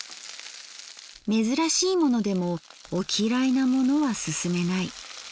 珍らしいものでもお嫌いなものはすすめない。